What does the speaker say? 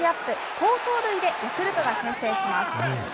好走塁でヤクルトが先制します。